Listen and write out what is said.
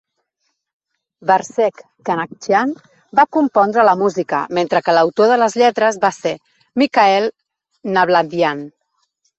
Barsegh Kanachyan va compondre la música, mentre que l'autor de les lletres va ser Mikael Nalbandian.